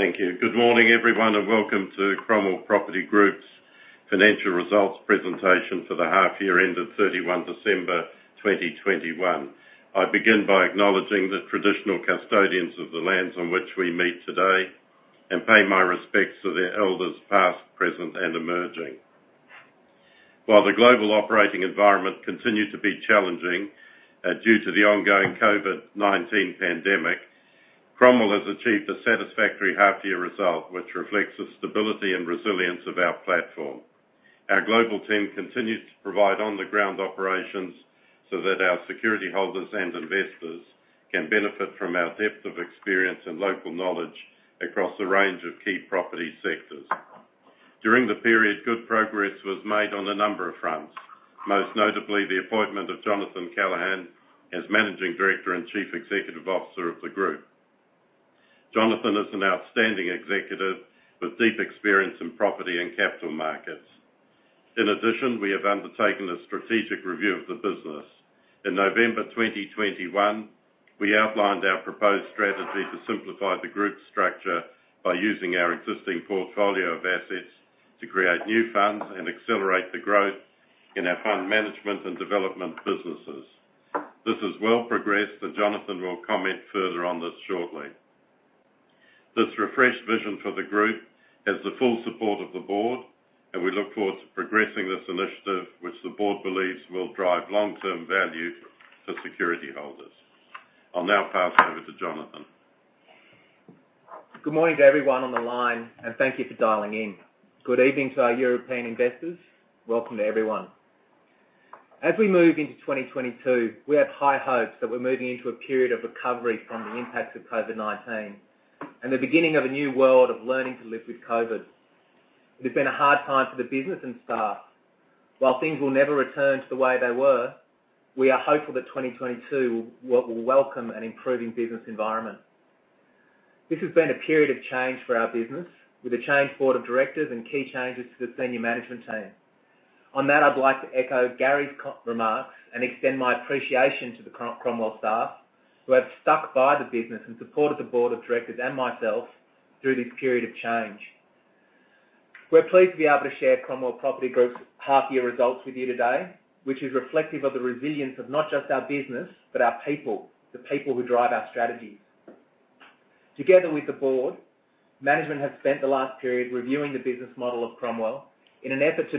Thank you. Good morning, everyone, and welcome to Cromwell Property Group's Financial Results Presentation for the Half Year Ended 31 December 2021. I begin by acknowledging the traditional custodians of the lands on which we meet today and pay my respects to the elders past, present, and emerging. While the global operating environment continued to be challenging due to the ongoing COVID-19 pandemic, Cromwell has achieved a satisfactory half year result, which reflects the stability and resilience of our platform. Our global team continues to provide on-the-ground operations so that our security holders and investors can benefit from our depth of experience and local knowledge across a range of key property sectors. During the period, good progress was made on a number of fronts, most notably the appointment of Jonathan Callaghan as Managing Director and Chief Executive Officer of the group. Jonathan is an outstanding executive with deep experience in property and capital markets. In addition, we have undertaken a strategic review of the business. In November 2021, we outlined our proposed strategy to simplify the group structure by using our existing portfolio of assets to create new funds and accelerate the growth in our fund management and development businesses. This is well progressed, and Jonathan will comment further on this shortly. This refreshed vision for the group has the full support of the board, and we look forward to progressing this initiative, which the board believes will drive long-term value for security holders. I'll now pass over to Jonathan. Good morning to everyone on the line, and thank you for dialing in. Good evening to our European investors. Welcome to everyone. As we move into 2022, we have high hopes that we're moving into a period of recovery from the impacts of COVID-19 and the beginning of a new world of learning to live with COVID. It has been a hard time for the business and staff. While things will never return to the way they were, we are hopeful that 2022 will welcome an improving business environment. This has been a period of change for our business with a changed board of directors and key changes to the senior management team. On that, I'd like to echo Gary's remarks and extend my appreciation to the Cromwell staff who have stuck by the business and supported the board of directors and myself through this period of change. We're pleased to be able to share Cromwell Property Group's half year results with you today, which is reflective of the resilience of not just our business, but our people, the people who drive our strategies. Together with the board, management has spent the last period reviewing the business model of Cromwell in an effort to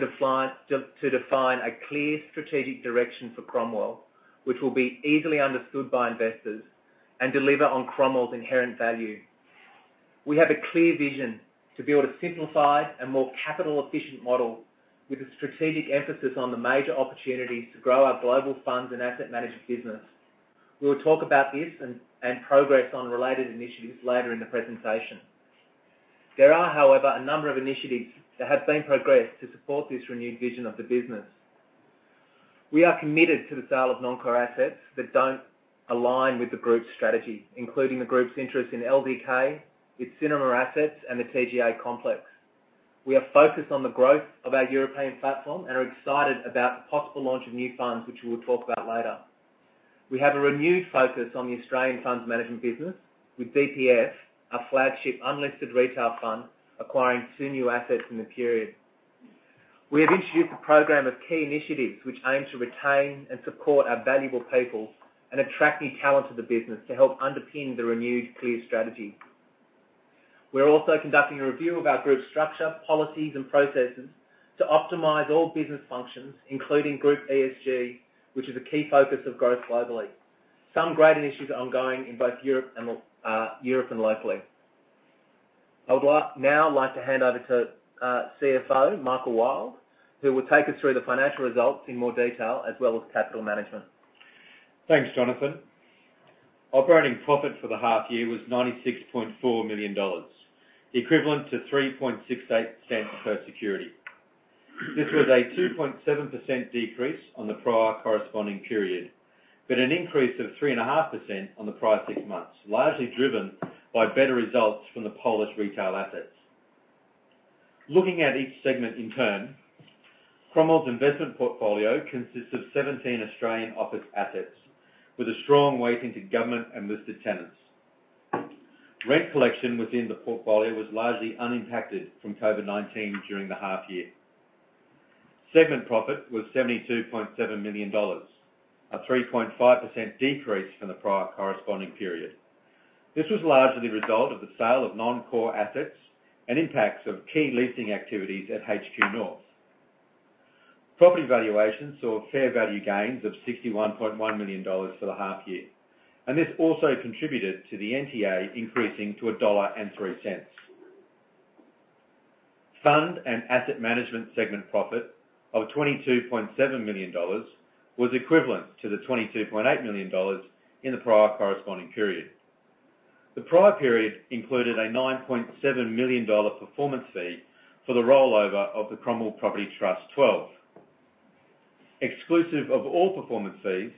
define a clear strategic direction for Cromwell, which will be easily understood by investors and deliver on Cromwell's inherent value. We have a clear vision to build a simplified and more capital efficient model with a strategic emphasis on the major opportunities to grow our global funds and asset management business. We will talk about this and progress on related initiatives later in the presentation. There are, however, a number of initiatives that have been progressed to support this renewed vision of the business. We are committed to the sale of non-core assets that don't align with the group's strategy, including the group's interest in LDK, its cinema assets, and the TGA complex. We are focused on the growth of our European platform and are excited about the possible launch of new funds, which we will talk about later. We have a renewed focus on the Australian funds management business with BPS, our flagship unlisted retail fund, acquiring two new assets in the period. We have introduced a program of key initiatives which aim to retain and support our valuable people and attract new talent to the business to help underpin the renewed clear strategy. We're also conducting a review of our group structure, policies, and processes to optimize all business functions, including group ESG, which is a key focus of growth globally. Some grading issues are ongoing in both Europe and locally. I would like to hand over to CFO, Michael Wilde, who will take us through the financial results in more detail, as well as capital management. Thanks, Jonathan. Operating profit for the half year was 96.4 million dollars, equivalent to 0.0368 per security. This was a 2.7% decrease on the prior corresponding period, but an increase of 3.5% on the prior six months, largely driven by better results from the Polish retail assets. Looking at each segment in turn, Cromwell's investment portfolio consists of 17 Australian office assets with a strong weighting to government and listed tenants. Rent collection within the portfolio was largely unimpacted from COVID-19 during the half year. Segment profit was 72.7 million dollars, a 3.5% decrease from the prior corresponding period. This was largely the result of the sale of non-core assets and impacts of key leasing activities at HQ North. Property valuations saw fair value gains of 61.1 million dollars for the half year, and this also contributed to the NTA increasing to 1.03 dollar. Fund and asset management segment profit of 22.7 million dollars was equivalent to the 22.8 million dollars in the prior corresponding period. The prior period included a 9.7 million dollar performance fee for the rollover of the Cromwell Property Trust 12. Exclusive of all performance fees,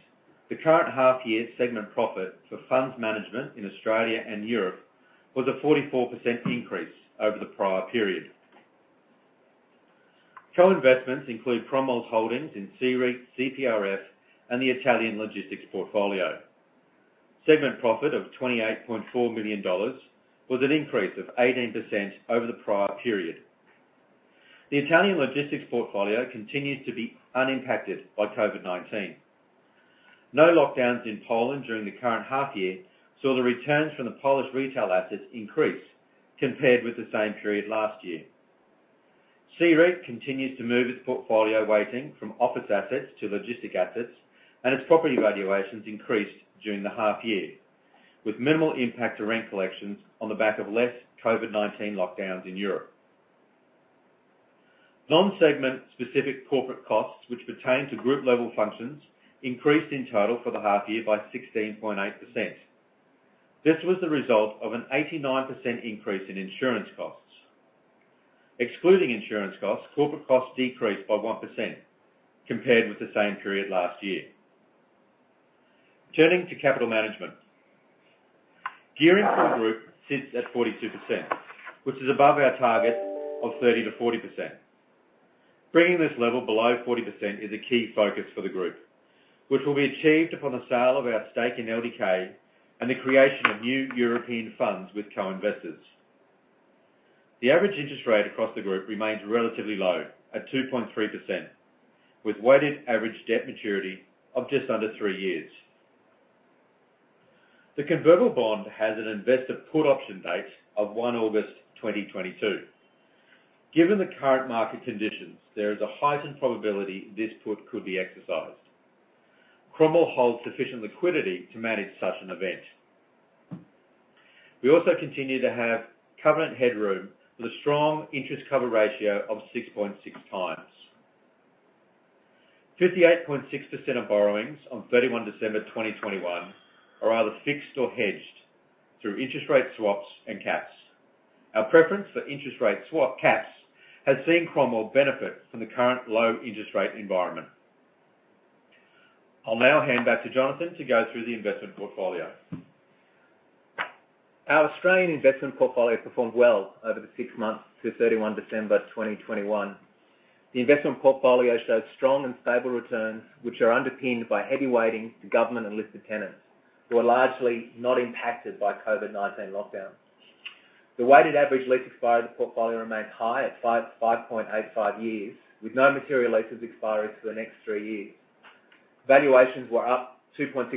the current half year segment profit for funds management in Australia and Europe was a 44% increase over the prior period. Co-investments include Cromwell's holdings in CEREIT, CPRF, and the Italian logistics portfolio. Segment profit of 28.4 million dollars was an increase of 18% over the prior period. The Italian logistics portfolio continues to be unimpacted by COVID-19. No lockdowns in Poland during the current half year, so the returns from the Polish retail assets increased compared with the same period last year. CEREIT continues to move its portfolio weighting from office assets to logistics assets, and its property valuations increased during the half year, with minimal impact to rent collections on the back of less COVID-19 lockdowns in Europe. Non-segment specific corporate costs, which pertain to group level functions, increased in total for the half year by 16.8%. This was the result of an 89% increase in insurance costs. Excluding insurance costs, corporate costs decreased by 1% compared with the same period last year. Turning to capital management. Gearing for the group sits at 42%, which is above our target of 30%-40%. Bringing this level below 40% is a key focus for the group, which will be achieved upon the sale of our stake in LDK and the creation of new European funds with co-investors. The average interest rate across the group remains relatively low at 2.3%, with weighted average debt maturity of just under three years. The convertible bond has an investor put option date of 1 August 2022. Given the current market conditions, there is a heightened probability this put could be exercised. Cromwell holds sufficient liquidity to manage such an event. We also continue to have covenant headroom with a strong interest cover ratio of 6.6x. 58.6% of borrowings on 31 December 2021 are either fixed or hedged through interest rate swaps and caps. Our preference for interest rate swap caps has seen Cromwell benefit from the current low interest rate environment. I'll now hand back to Jonathan to go through the investment portfolio. Our Australian investment portfolio performed well over the six months to 31 December 2021. The investment portfolio shows strong and stable returns, which are underpinned by heavy weighting to government and listed tenants who are largely not impacted by COVID-19 lockdowns. The weighted average lease expiry of the portfolio remains high at 5.85 years, with no material leases expiring for the next three years. Valuations were up 2.6%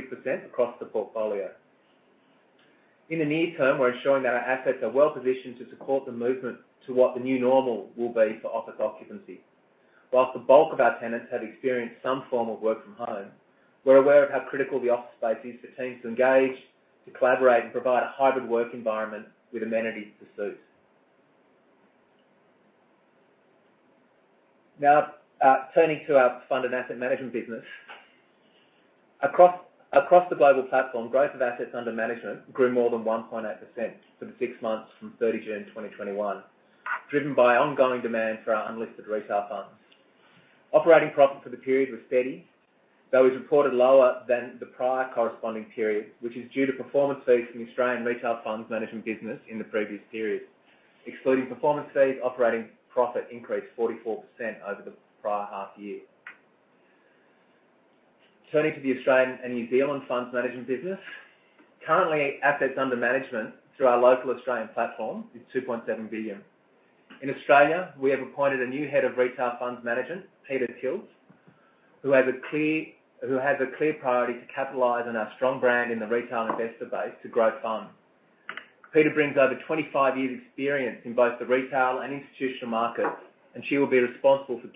across the portfolio. In the near term, we're ensuring that our assets are well-positioned to support the movement to what the new normal will be for office occupancy. While the bulk of our tenants have experienced some form of work from home, we're aware of how critical the office space is for teams to engage, to collaborate, and provide a hybrid work environment with amenities to suit. Now, turning to our fund and asset management business. Across the global platform, growth of assets under management grew more than 1.8% for the six months from 30 June 2021, driven by ongoing demand for our unlisted retail funds. Operating profit for the period was steady, though is reported lower than the prior corresponding period, which is due to performance fees from the Australian retail funds management business in the previous period. Excluding performance fees, operating profit increased 44% over the prior half year. Turning to the Australian and New Zealand funds management business. Currently, assets under management through our local Australian platform is 2.7 billion. In Australia, we have appointed a new Head of Retail Funds Management, Peta Tilse, who has a clear priority to capitalize on our strong brand in the retail investor base to grow funds. Peta brings over 25 years' experience in both the retail and institutional markets, and she will be responsible for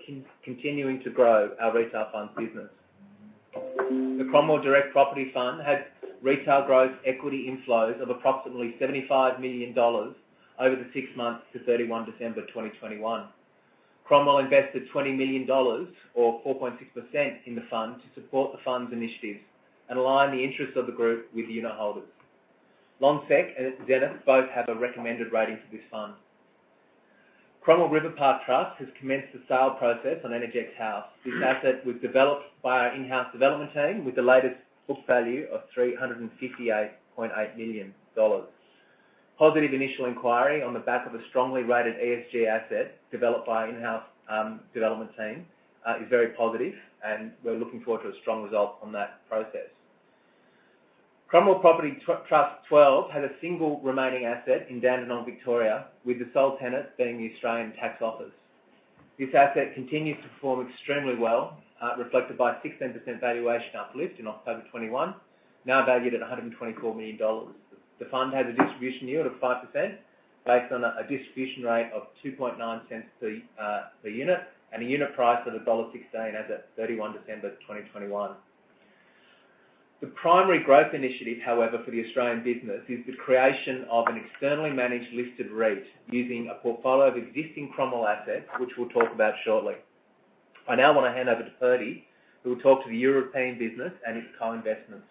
continuing to grow our retail funds business. The Cromwell Direct Property Fund had retail growth equity inflows of approximately 75 million dollars over the six months to 31 December 2021. Cromwell invested 20 million dollars or 4.6% in the fund to support the fund's initiatives and align the interests of the group with the unitholders. Lonsec and Zenith both have a recommended rating for this fund. Cromwell Riverpark Trust has commenced the sale process on Energex House. This asset was developed by our in-house development team with the latest book value of 358.8 million dollars. Positive initial inquiry on the back of a strongly rated ESG asset developed by our in-house development team is very positive, and we're looking forward to a strong result on that process. Cromwell Property Trust 12 had a single remaining asset in Dandenong, Victoria, with the sole tenant being the Australian Taxation Office. This asset continues to perform extremely well, reflected by a 16% valuation uplift in October 2021, now valued at 124 million dollars. The fund has a distribution yield of 5% based on a distribution rate of 0.029 per unit and a unit price of dollar 1.16 as at 31 December 2021. The primary growth initiative, however, for the Australian business is the creation of an externally managed listed REIT using a portfolio of existing Cromwell assets, which we'll talk about shortly. I now wanna hand over to Pertti, who will talk to the European business and its co-investments.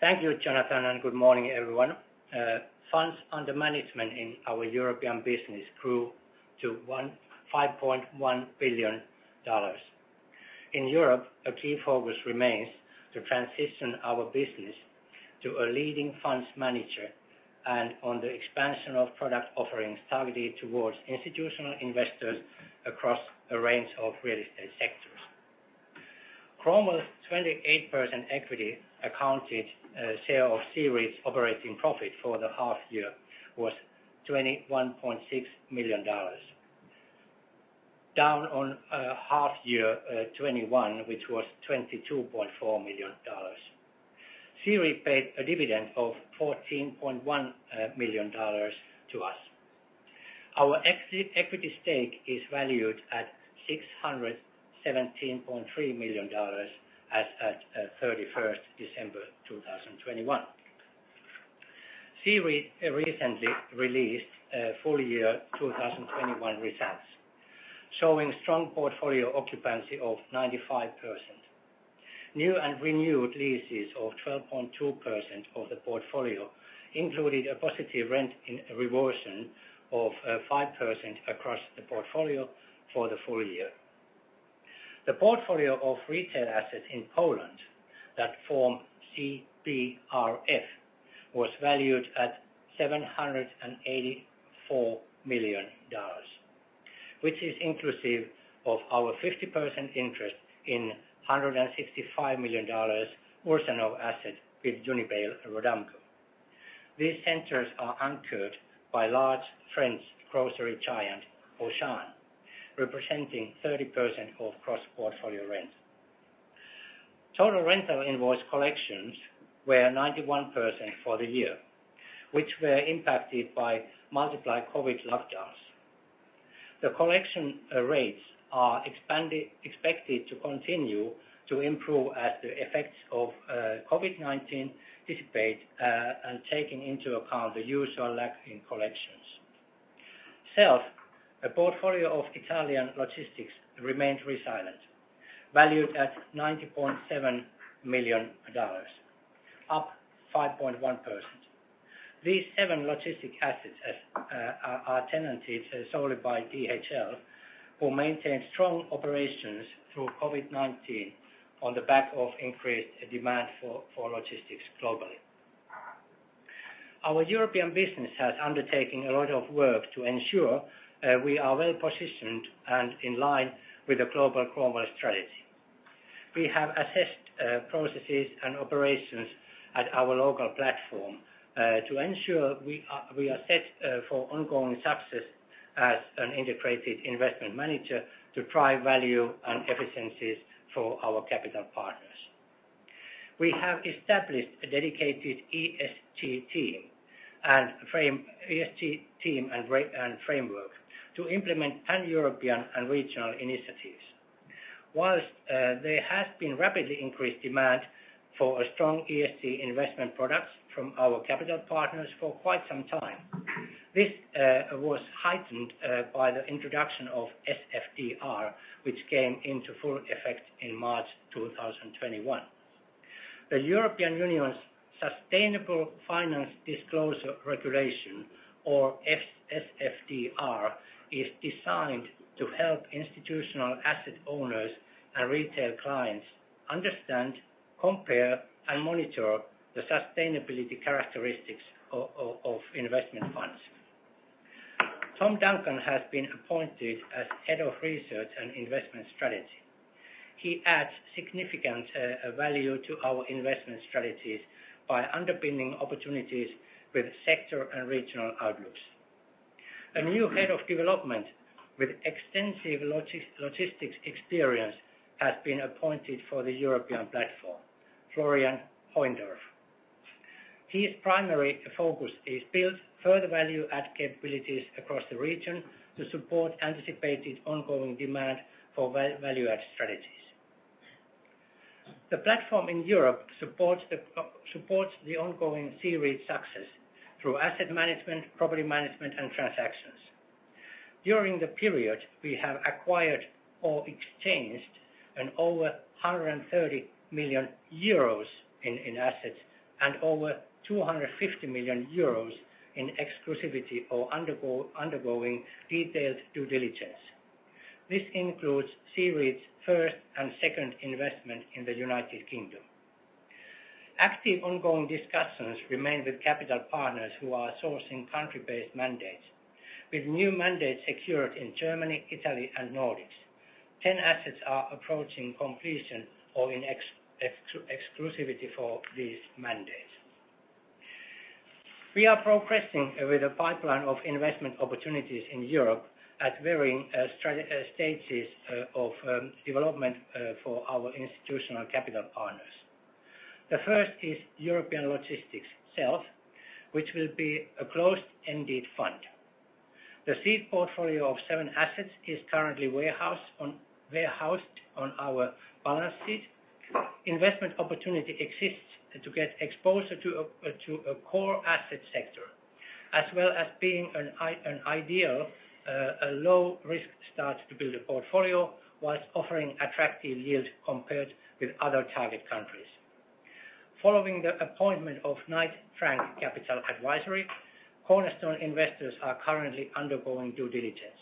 Thank you, Jonathan, and good morning, everyone. Funds under management in our European business grew to 1.5 billion dollars. In Europe, a key focus remains to transition our business to a leading funds manager and on the expansion of product offerings targeted towards institutional investors across a range of real estate sectors. Cromwell's 28% equity-accounted share of CEREIT's operating profit for the half year was 21.6 million dollars. Down on half year 2021 which was 22.4 million dollars. CEREIT paid a dividend of 14.1 million dollars to us. Our equity stake is valued at 617.3 million dollars as at 31st December 2021. CEREIT recently released full year 2021 results, showing strong portfolio occupancy of 95%. New and renewed leases of 12.2% of the portfolio included a positive rent in reversion of 5% across the portfolio for the full year. The portfolio of retail assets in Poland that form CBRF was valued at 784 million dollars, which is inclusive of our 50% interest in 165 million dollars Ursynów asset with Unibail-Rodamco. These centers are anchored by large French grocery giant Auchan, representing 30% of cross-portfolio rent. Total rental invoice collections were 91% for the year, which were impacted by multiple COVID lockdowns. The collection rates are expected to continue to improve as the effects of COVID-19 dissipate and taking into account the usual lag in collections. CELF, a portfolio of Italian logistics remained resilient, valued at 90.7 million dollars, up 5.1%. These seven logistic assets are tenanted solely by DHL, who maintained strong operations through COVID-19 on the back of increased demand for logistics globally. Our European business has undertaken a lot of work to ensure we are well-positioned and in line with the global Cromwell strategy. We have assessed processes and operations at our local platform to ensure we are set for ongoing success as an integrated investment manager to drive value and efficiencies for our capital partners. We have established a dedicated ESG team and framework to implement pan-European and regional initiatives. While there has been rapidly increased demand for a strong ESG investment products from our capital partners for quite some time. This was heightened by the introduction of SFDR, which came into full effect in March 2021. The European Union's Sustainable Finance Disclosure Regulation, or SFDR, is designed to help institutional asset owners and retail clients understand, compare, and monitor the sustainability characteristics of investment funds. Tom Duncan has been appointed as Head of Research and Investment Strategy. He adds significant value to our investment strategies by underpinning opportunities with sector and regional outlooks. A new Head of Development with extensive logistics experience has been appointed for the European platform, Florian Hoyndorf. His primary focus is to build further value add capabilities across the region to support anticipated ongoing demand for value add strategies. The platform in Europe supports the ongoing series success through asset management, property management, and transactions. During the period, we have acquired or exchanged over 130 million euros in assets and over 250 million euros in exclusivity or undergoing detailed due diligence. This includes CEREIT's first and second investment in the United Kingdom. Active ongoing discussions remain with capital partners who are sourcing country-based mandates with new mandates secured in Germany, Italy, and Nordics. 10 assets are approaching completion or in exclusivity for these mandates. We are progressing with a pipeline of investment opportunities in Europe at varying stages of development for our institutional capital partners. The first is Cromwell European Logistics Fund which will be a closed-ended fund. The seed portfolio of seven assets is currently warehoused on our balance sheet. Investment opportunity exists to get exposure to a core asset sector, as well as being an ideal low risk start to build a portfolio while offering attractive yields compared with other target countries. Following the appointment of Knight Frank Capital Advisory, cornerstone investors are currently undergoing due diligence.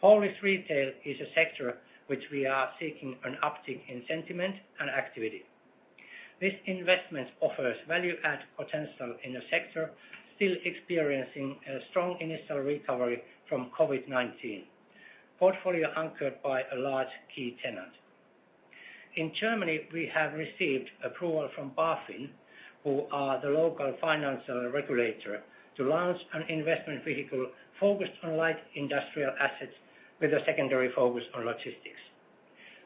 Polish retail is a sector which we are seeking an uptick in sentiment and activity. This investment offers value add potential in a sector still experiencing a strong initial recovery from COVID-19. Portfolio anchored by a large key tenant. In Germany, we have received approval from BaFin, who are the local financial regulator, to launch an investment vehicle focused on light industrial assets with a secondary focus on logistics.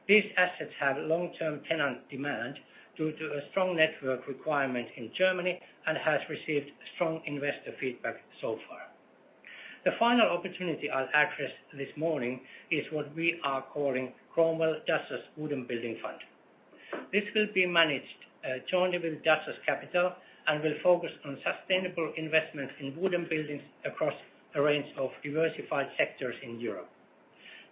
These assets have long-term tenant demand due to a strong network requirement in Germany and has received strong investor feedback so far. The final opportunity I'll address this morning is what we are calling Cromwell Dasos Wooden Building Fund. This will be managed jointly with Dasos Capital and will focus on sustainable investment in wooden buildings across a range of diversified sectors in Europe.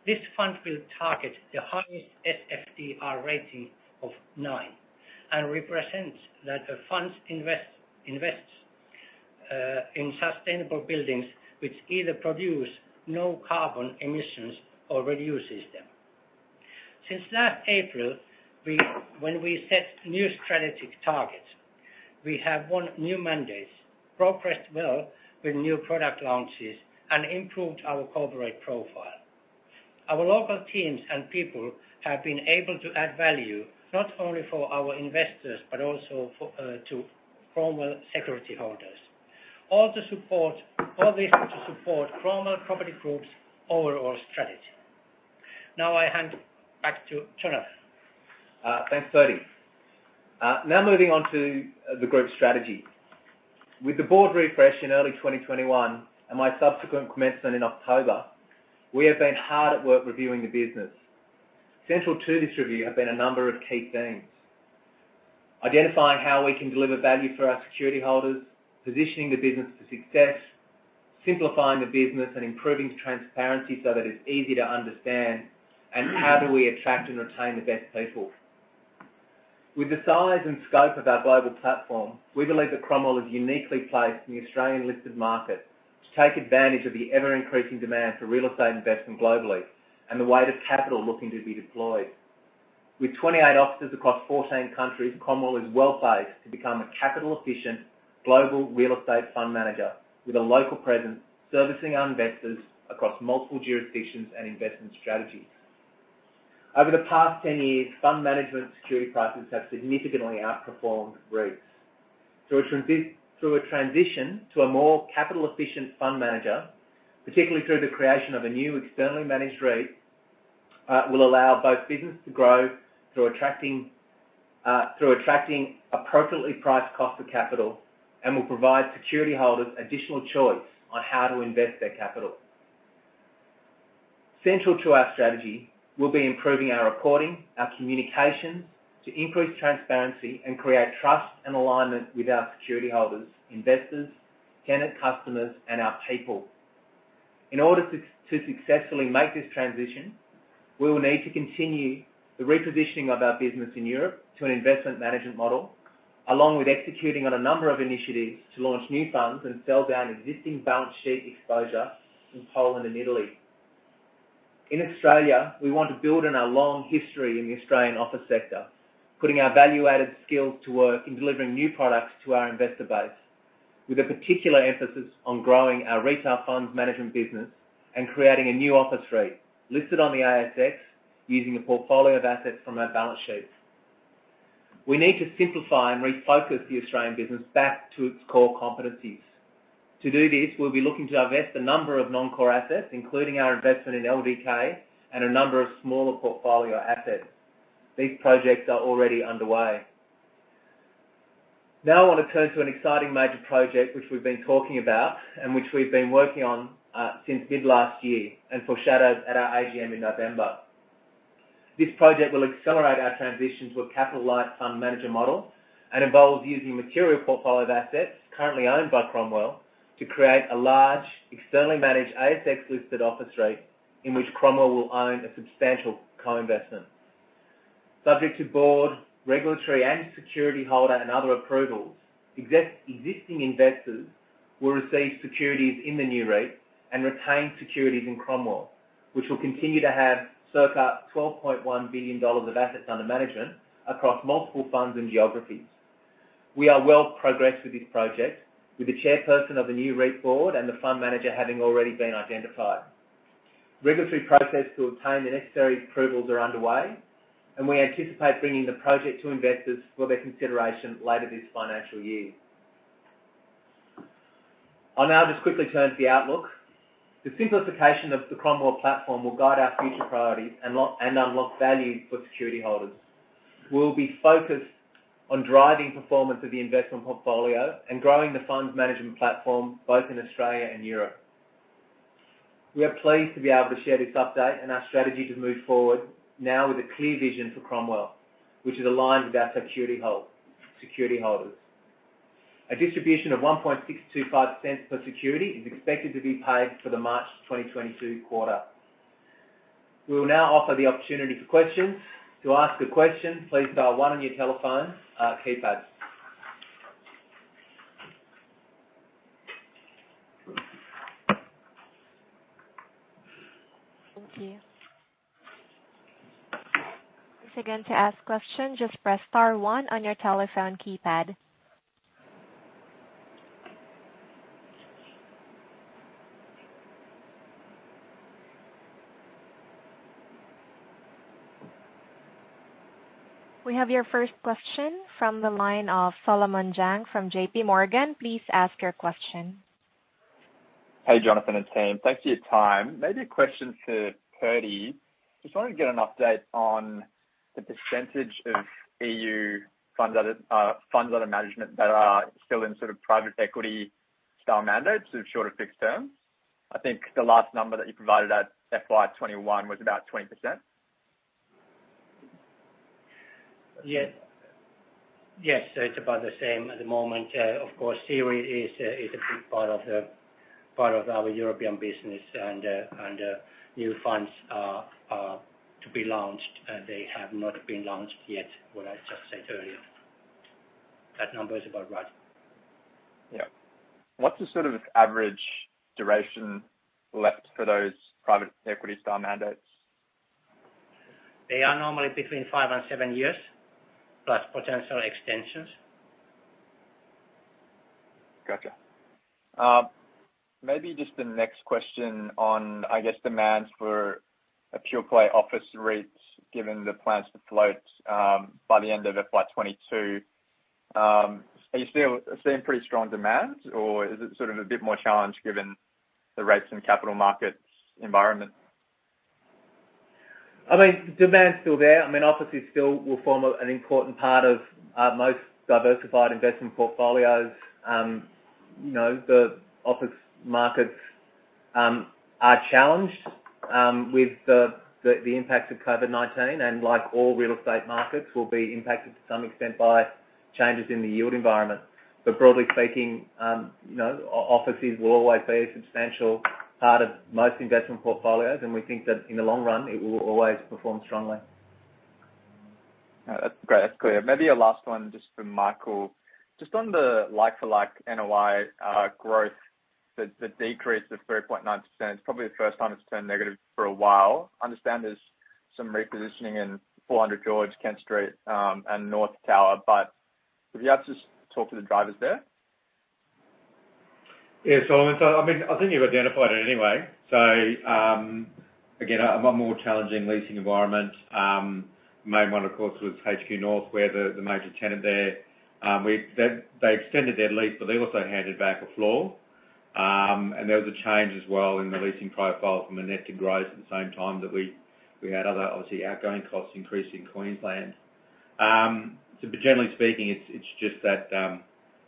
This fund will target the highest SFDR rating of nine, and represents that the funds invests in sustainable buildings which either produce no carbon emissions or reduces them. Since last April, when we set new strategic targets, we have won new mandates, progressed well with new product launches, and improved our corporate profile. Our local teams and people have been able to add value, not only for our investors, but also to Cromwell security holders. All this to support Cromwell Property Group's overall strategy. Now I hand back to Jonathan. Thanks, Pertti. Now moving on to the Group strategy. With the board refresh in early 2021 and my subsequent commencement in October, we have been hard at work reviewing the business. Central to this review have been a number of key themes. Identifying how we can deliver value for our security holders, positioning the business for success, simplifying the business and improving transparency so that it's easy to understand, and how do we attract and retain the best people. With the size and scope of our global platform, we believe that Cromwell is uniquely placed in the Australian listed market to take advantage of the ever-increasing demand for real estate investment globally and the weight of capital looking to be deployed. With 28 offices across 14 countries, Cromwell is well-placed to become a capital efficient global real estate fund manager with a local presence, servicing our investors across multiple jurisdictions and investment strategies. Over the past 10 years, fund management security prices have significantly outperformed REITs. Through a transition to a more capital efficient fund manager, particularly through the creation of a new externally managed REIT, will allow both business to grow through attracting appropriately priced cost of capital and will provide security holders additional choice on how to invest their capital. Central to our strategy will be improving our reporting, our communication to increase transparency and create trust and alignment with our security holders, investors, tenant customers, and our people. In order to successfully make this transition, we will need to continue the repositioning of our business in Europe to an investment management model, along with executing on a number of initiatives to launch new funds and sell down existing balance sheet exposure in Poland and Italy. In Australia, we want to build on our long history in the Australian office sector, putting our value-added skills to work in delivering new products to our investor base. With a particular emphasis on growing our retail funds management business and creating a new office REIT listed on the ASX using a portfolio of assets from our balance sheet. We need to simplify and refocus the Australian business back to its core competencies. To do this, we'll be looking to divest a number of non-core assets, including our investment in LDK and a number of smaller portfolio assets. These projects are already underway. Now, I wanna turn to an exciting major project which we've been talking about and which we've been working on since mid last year and foreshadowed at our AGM in November. This project will accelerate our transition to a capital light fund manager model and involves using material portfolio of assets currently owned by Cromwell to create a large, externally managed ASX listed office REIT, in which Cromwell will own a substantial co-investment. Subject to board, regulatory, and security holder and other approvals, existing investors will receive securities in the new REIT and retain securities in Cromwell, which will continue to have circa AUD 12.1 billion of assets under management across multiple funds and geographies. We are well progressed with this project, with the chairperson of the new REIT board and the fund manager having already been identified. Regulatory process to obtain the necessary approvals are underway, and we anticipate bringing the project to investors for their consideration later this financial year. I'll now just quickly turn to the outlook. The simplification of the Cromwell platform will guide our future priorities and unlock value for security holders. We'll be focused on driving performance of the investment portfolio and growing the funds management platform both in Australia and Europe. We are pleased to be able to share this update and our strategy to move forward now with a clear vision for Cromwell, which is aligned with our security holders. A distribution of 0.01625 per security is expected to be paid for the March 2022 quarter. We will now offer the opportunity for questions. To ask a question, please dial one on your telephone keypad. Thank you. Once again, to ask a question, just press star one on your telephone keypad. We have your first question from the line of [Philemon Jang] from JPMorgan. Please ask your question. Hey, Jonathan and team. Thanks for your time. Maybe a question for Pertti. Just wanted to get an update on the percentage of EU funds under funds under management that are still in sort of private equity style mandates of shorter fixed terms. I think the last number that you provided at FY 2021 was about 20%. Yes. Yes. It's about the same at the moment. Of course, CEREIT is a big part of our European business and new funds are to be launched, and they have not been launched yet, what I just said earlier. That number is about right. Yeah. What's the sort of average duration left for those private equity style mandates? They are normally between five and seven years, plus potential extensions. Gotcha. Maybe just the next question on, I guess, demand for pure play office REITs, given the plans to float by the end of FY 2022. Are you still seeing pretty strong demand, or is it sort of a bit more challenged given the rates and capital markets environment? I mean, demand is still there. I mean, offices still will form an important part of most diversified investment portfolios. You know, the office markets are challenged with the impacts of COVID-19, and like all real estate markets, will be impacted to some extent by changes in the yield environment. Broadly speaking, you know, offices will always be a substantial part of most investment portfolios, and we think that in the long run, it will always perform strongly. That's great. That's clear. Maybe a last one just for Michael. Just on the like-for-like NOI growth, the decrease of 3.9%, it's probably the first time it's turned negative for a while. I understand there's some repositioning in 400 George Street, Kent Street, and HQ North Tower, but would you have to just talk to the drivers there? Yeah. I mean, I think you've identified it anyway. Again, a more challenging leasing environment. Main one, of course, was HQ North, where the major tenant there, they extended their lease, but they also handed back a floor. There was a change as well in the leasing profile from the net to gross at the same time that we had other, obviously, outgoing costs increased in Queensland. Generally speaking, it's just that,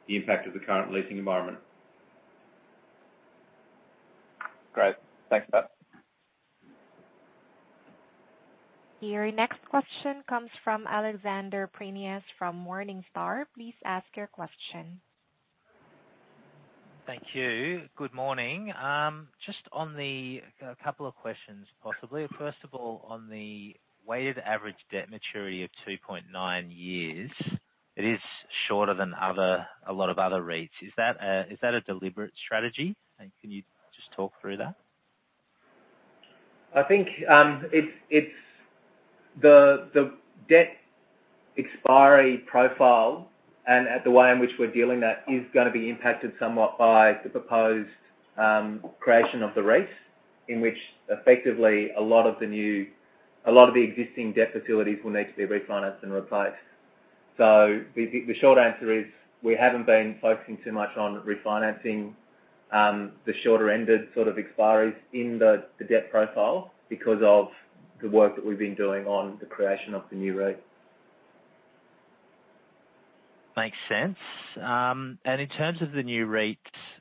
the impact of the current leasing environment. Great. Thanks for that. Your next question comes from Alexander Prineas from Morningstar. Please ask your question. Thank you. Good morning. A couple of questions, possibly. First of all, on the weighted average debt maturity of 2.9 years, it is shorter than a lot of other REITs. Is that a deliberate strategy? Can you just talk through that? I think it's the debt expiry profile and the way in which we're dealing with that is gonna be impacted somewhat by the proposed creation of the REIT, in which effectively a lot of the existing debt facilities will need to be refinanced and replaced. The short answer is we haven't been focusing too much on refinancing the shorter ended sort of expiries in the debt profile because of the work that we've been doing on the creation of the new REIT. Makes sense. In terms of the new REIT,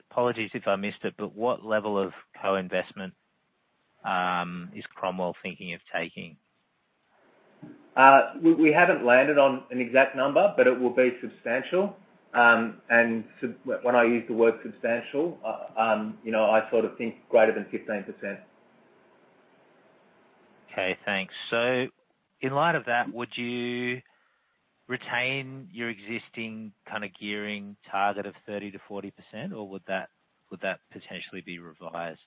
apologies if I missed it, but what level of co-investment is Cromwell thinking of taking? We haven't landed on an exact number, but it will be substantial. When I use the word substantial, you know, I sort of think greater than 15%. Okay, thanks. In light of that, would you retain your existing kind of gearing target of 30%-40%, or would that potentially be revised?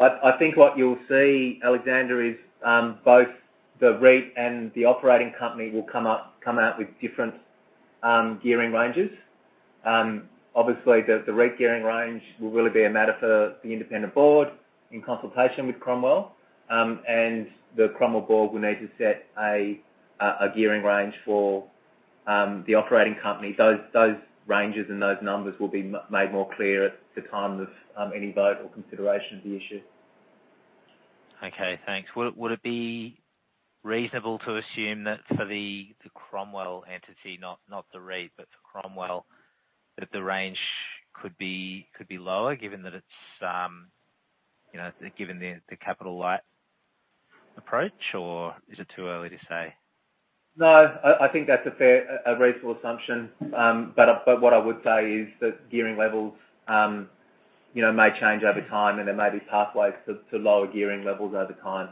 I think what you'll see, Alexander, is both the REIT and the operating company will come out with different gearing ranges. Obviously, the REIT gearing range will really be a matter for the independent board in consultation with Cromwell, and the Cromwell board will need to set a gearing range for the operating company. Those ranges and those numbers will be made more clear at the time of any vote or consideration of the issue. Okay, thanks. Would it be reasonable to assume that for the Cromwell entity, not the REIT, but for Cromwell, that the range could be lower, given that it's, you know, given the capital light approach, or is it too early to say? No, I think that's a fair, a reasonable assumption. But what I would say is that gearing levels, you know, may change over time, and there may be pathways to lower gearing levels over time.